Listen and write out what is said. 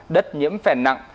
đất nhiễm phèn nặng